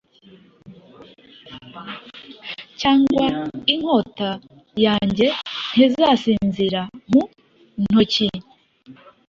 Cyangwa inkota yanjye ntizasinzira mu ntoki,